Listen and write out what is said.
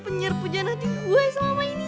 penyiar pujian hati gue selama ini